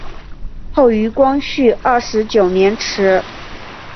后于光绪二十九年祠。